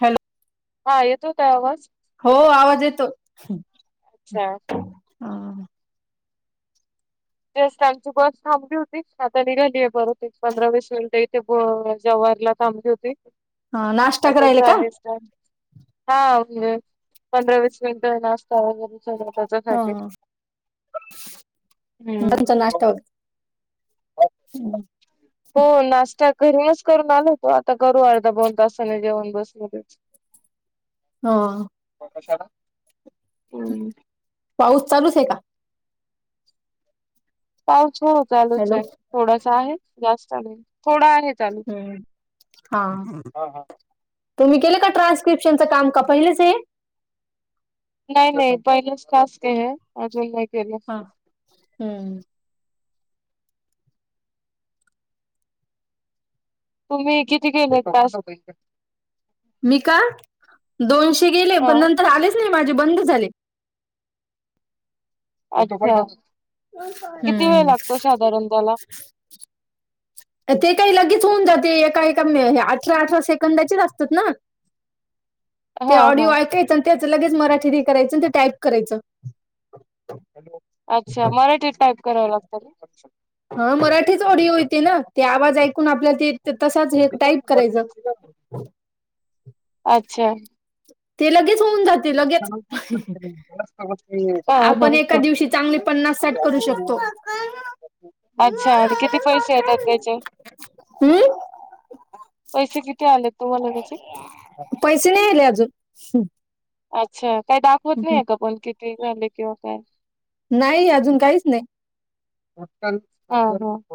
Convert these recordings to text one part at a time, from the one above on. Hello हा येतोय का आवाज? हो आवाज येतो. [unintelligible] अच्छा हं जस्ट आमची बस थांबली होती आता निघालीये परत एक पंधरा वीस मिनिटे इथे प जेवा परला थांबली होती हा नाश्ता आता करायला का झाली स्टार्ट. हा पंधरा वीस मिनट नाश्ता वगैरे. [unintelligible] हम्म त्यांचा नाश्ता हम्म हो नाश्ता करूनच करून आलो होतो आता करू अर्धा पाऊण तासाने जेवण बसमध्येच. हा कशाला? पाऊस चालूच आहे का? पाऊस हो चालूच हॅलो आहे थोडासा आहे जास्त नाही थोडा आहे. चालू हम्म, हा. तुम्ही केलं का ट्रान्स्क्रिप्शनच काम? का पहिलेच हे? नाही - नाही पहिलेच टास्कस केले अजून नाही. केलं हां, हम्म. तुम्ही किती केले टास्क? मी का? दोनशे गेले हा पण नंतर आलेच नाही माझे बंद झाले. अच्छा, किती वेळ हम्म लागतो शाधारण त्याला? ते काही लगेच होऊन जाते मी एका-एका अठरा-अठरा सेकंदाचेच असतात ना! ते हा हा ऑडिओ ऐकायचं अन् त्याच लगेच मराठीरी करायचं आणि ते टाईप करायचं. अच्छा मराठीत टाईप कराव लागत ना? हा मराठीच ऑडिओ येती ना ते आवाज ऐकून आपल्या ते ते तसाच एक टाईप करायचं. अच्छा ते लगेच होऊन जा. लगेच हा हा आपण एका हा दिवशी चांगली पन्नास साठ करू शकतो. [unintelligible] अच्छा आणि किती पैसे येतात त्याचे? हम्म पैसे किती आले? पैसे नाही आले अजून. अच्छा काय दाखवत नाहीये का पण किती झाले किंवा काय? नाही अजून काहीच नाही. [unintelligible]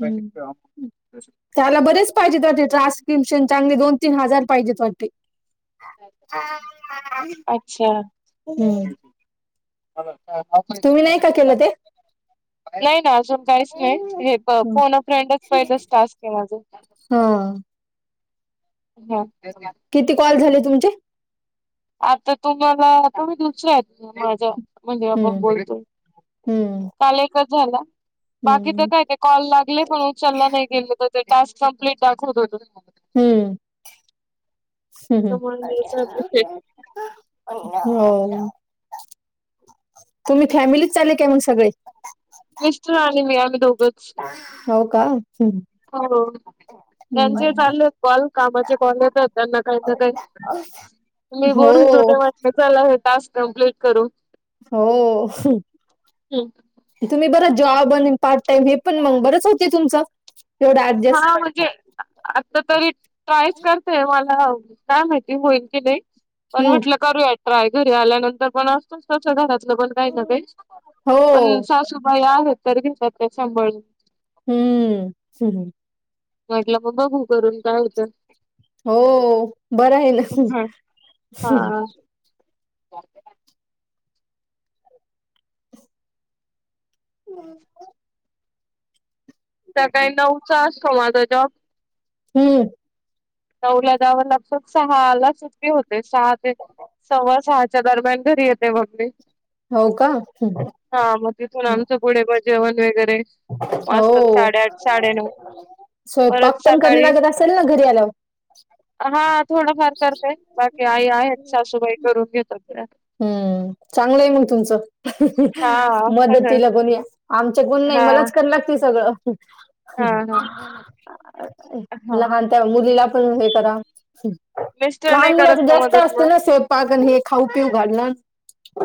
हं त्याला बरेच पाहिजे ते देतो आस्न्क्रिप्शन चांगले दोन. तीन हजार पाहिजे क्वांटी. [unintelligible] हम्म हां व. तुम्ही नाही का केलं ते? नाही ना अजून काहीच नाही हे प फोन अ फ्रेंडच पहिलंच टास्क केलं अजुन. हं हो. किती कॉल झाले तुमचे. आता तुम्हाला आता मी दुसऱ्या माझ्या मध्ये आपण हम्म बोलतोय. हम्म लच झाला बाकी तर हम्म काय ते कॉल लागले पण उचलला नाही गेल तर टस् कम्प्लीट दावत होत. हम्म हम्. त्यामुळे हो तुम्ही फॅमिलीत चाले काय म्हग सगळे. मिस्टर आणि मी आम्ही दोघंच. हो का. हो. त्यांचे चालले कॉल कामाचे कॉल येत त्यांना काही ना काही मी हो बोलून ोटे म्हट चला हे टास्क कम्प्लीट करू. हो तुम्ही बरं. जॉब आणि पार्ट टाइम हे पण मग बरच होते तुमचं. एवढं हा ॲडजस्ट. म्हणजे आता तरी ट्रायच करतेय मला ह काय माहिती होईल की नाही पण हं. म्हटलं करूया. रा्रय घरी आल्यानंतर पण असतोच त पण काही न का हो. पण सासूबाई आहेत तर घेतात त्या सांभाळून. हं. हं. म्हटलं मग बघू करून काय होतं. हो बर आहे ना. हं हो. हम्. त्या काही न उचा असतो माझा जॉब हम्म. नऊला जावन लात सहा ला सुटी होते सहा ते सव्वा सहाच्या दरम्यान घरी येते मगमी हो का? हं. हा मग तिथून हं. आमचं पुढे मग जेवण वगैरे वातात हो. साडेआठ साडे नऊ परत स्वयंपाक पण करायला सकाळी लागत असेल ना घरी आल्यावर? हा थोडफार करतेय बाकी आई आहेत सासूबाई करून घेत हम्म चांगलं आहे मग तुमचं हा मदत हा तिला कोण या आमच्या कोण नाही हा मलाच क लागते सगळं हा हा लहान त्या मुरलीला करा मिस्टर नाही लहान मुला करत का जास्त मदत असते मग ना स् खाऊ गल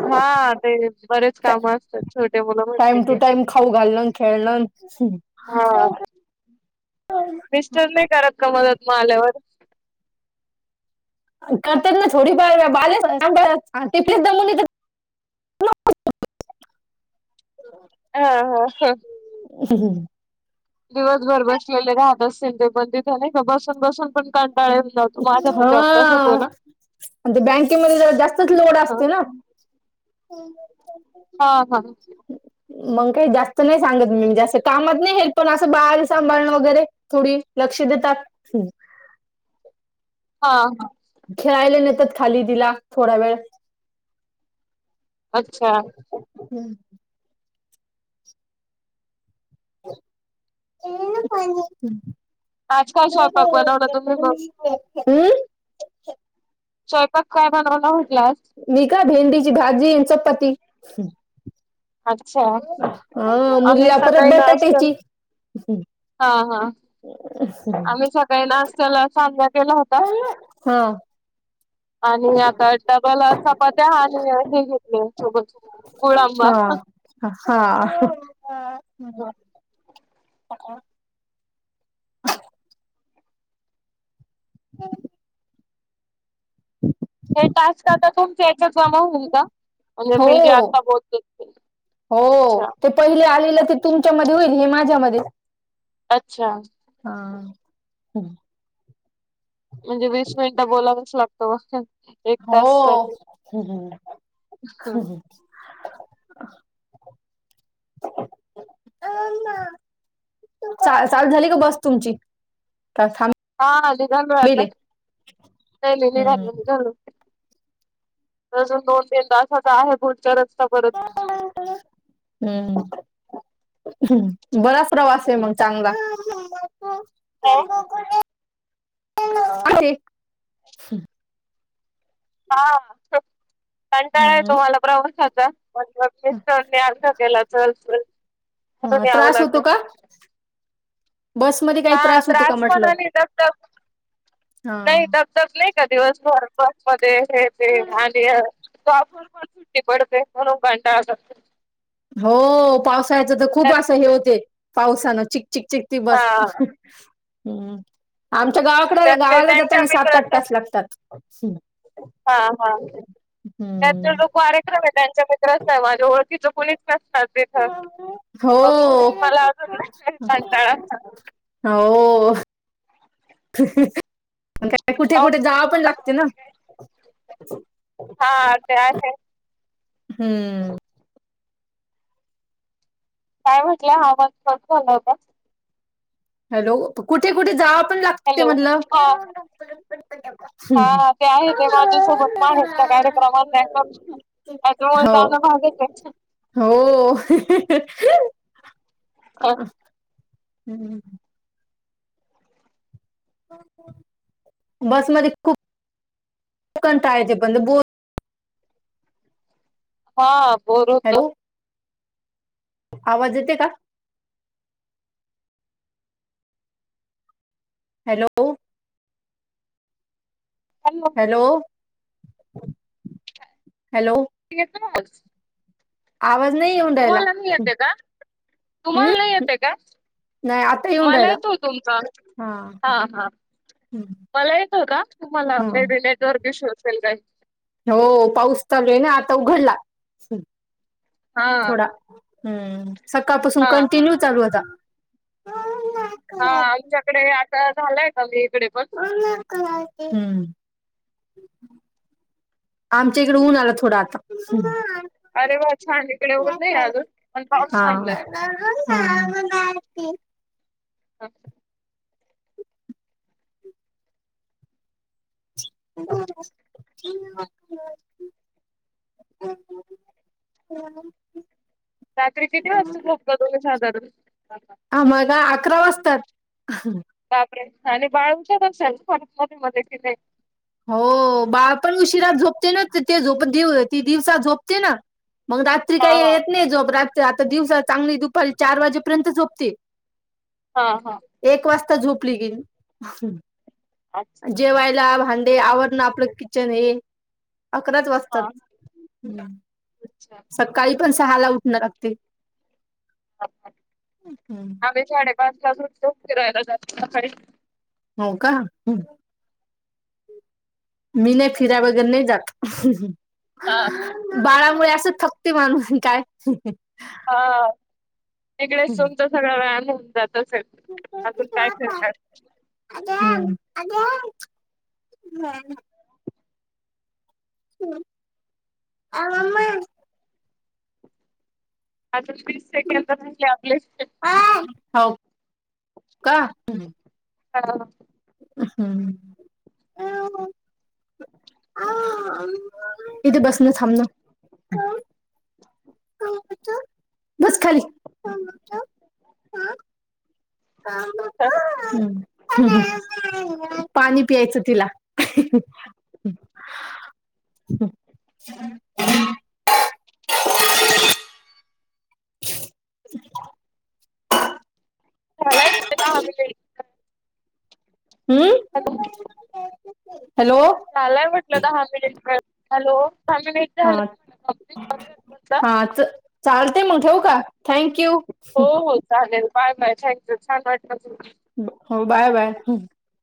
हा ते बरेच काम असतात छोटे मुलं म्हटले टाइम टू क टाइम खाऊ घालणं, खेळणं. हा [inaudible] मिस्टर नाही करत का मदत म आल्यावर करतात ना थोडीफार बाले तिथलेच दमली ह हा ह ह अ दिवसभर बसलेले राहत असतील ते पण तिथे नाही का बसून बसून पण का ळ जावतो माझा पण हा जॉगताच होतो ना आणि ते बँकेमध्ये जास्तच लोड असते ना हा हा मग काही जास्त नाही सांगत मी जास्त कामात नाही हेल् पण असं बाहेर सांभाळणं वगैरे थोडी लक्ष हा हा खेळायला नेतात खाली तिला थोडा वेळ अच्छा हम्म. एन पहि आज काय स्वयंपाक बनवला तुम्ही मग [unintelligible] [inaudible] चयपाात काय बनवला होटलास. मी का भेंडीची भाजीऽन चपाती.. अच्छा हां,, आम्ही मुलीला परत सकाळी नाश्ता बटाट्यायचीऽऽ हा, हा आम्ही सकाळी नाशत्याला सांजा केला होता. हा आणि आता डबल चपात्या आणि हे घेतले या सोबत.. गुंळाबा, हा हहह हा, हा, हे टास्क आता तुमच्या हच जमा होईल का? म्हज म जे आता बोलतोय तेऽ होऽऽ ते पहिले आलेलं तेऽ तुमच्यामध्ये होईल, हे माझ्यामध्येऽऽ अच्छा, हा, हम्. म्हणजे वीस मिनिट बोलावंच लागतं.. एक हो तास साठी ऽह्, [unintelligible] चा चाल झाली का बस तुमची? का हा निघालूय आता, थांबेले जाली निघा हम्म निघालूऽ त दोन तनदा असाच आहे भुलकरच... हम्म, बरा प्रवास आहे मग. चांगा. हा आहे. हा, कंटाळा हम्म ऐतो मला प्रवासाचा. णीं आगृह केला चल, चल ह म्हणून यावं त्रास होतो लागलं. का बसमध्ये काही हा, होतो का त्रास पण म्हटलं तबक हा नाही तबतक नाही ए दिवस भर बस मध्ये हे, ते आणि [unintelligible] पडतेन म्हनून कंटाळा करते. हो पावसाळ्याच तर खूप त्यात असं हे होते पावसानं चिक चिक, चिक त हा बस, हम्म.. आमच्या गावाकडे त्यात ते गावाला त्यांच्या जाताना सात, आठ मित्राचा तास लागतात. हा, हा त्याचा हम्म जो कार्यक्रम आय त्यांच्या माझ्या ओळखीच कोणीच नसनार तिथं, हो मग मला अजून काळा. हो! काय कुठे, जाऊन कुठे बोलू जाव पण लागते ना! बाकी काय. हा ते आहे हम्म! काय म्हटलं हा आवाज कट जाला होता? हॅलो! कुठे कुठे जावा पण लागते हॅलो मनलं हा. हा, ते आहे ते माझ्यासोबत माहेरच्या कार्यक्रमाला नाही अ त म हो जाना भागचय. हो हहहही. अ आहे. हम्म. बस मधे खूप कंटाळा येते बंद. बोल हा बोलूत. हॅलो आवाज येते का? हॅलो! हॅलो! हॅलो! ठीक आहेतना [unintelligible] आवाज नाही येऊन रायला का? तुम्हाला नाही येतय का? नाही आता येऊन मला राहिला येतो तुमचा हा हा मला येतोय का? तुम्हाला हा मेबी नेटवर्क इशू असेल काही. हो पाऊस चालूय ना! आता उघडला हां थोडा हम्म! सकाळपासून हां कंटिन्यू चालू होता. हा, आमच्याकडे आता झालाय कमी इकडे पण. [unintelligible] का हम् आमच्या इकडे ऊन आला थोडं आता [inaudible] अरे वाह! छान इकडे ऊन नाही अजून पण पाऊस हा थांबलाय. हा हो. अ [unintelligible] [inaudible] हम् [unintelligible] रात्री किती वाजता झोपता तुम्ही साधारण. आम्हाला अकरा वाजतात. बापरे! आणि बाळ उठत असेल मध्ये मध्ये की नाही? हो बाळ पण उशिरा झोपते ना तर ते झोपते ती दिवसा झोपते ना? मग रात्री हां काही हां येत नाही झोप रात्री आता दिवसा चांगली दुपारी चार वाजेपर्यंत झोपते. हा हा आता झोपली की अच्छा जेवायला भां ते आवरण आपलं किचन हे, अकराच वाजतात हां अच्छा. सकाळी पण सहाला उठणं लागते. आम्ही साडेपाचलाच उठतो, फिरायला जातो, सकाळी हो, का मी नाय फिरा वगैर, नाही जात हां हां बाळामुळे असंच थकते, माणूस काय? हा तिकडेच तुमचा सगळा व्यायाम होवून जातो तसेच, अजून काय करतात? [unintelligible] [unintelligible] [unintelligible] तीस सेकंड राहिले, आपले हो का? [unintelligible] हम्म! [unintelligible] [inaudible] [unintelligible] इथ बसनं थांबनं. [unintelligible] बस खाली. [unintelligible] तिला [unintelligible] [unintelligible] [inaudible] झालाय, [unintelligible] हम्म हॅलो! [inaudible] झालाय, म्हटलं दहा मिनिट वेळ हॅलो! दहा मिनिट हा झालं हा [unintelligible] ते मग ठेवू का? थँंक्यू! हो हो चालेल बाय बाय! थँक्यु छान! वाटलं. हो, बाय बाय!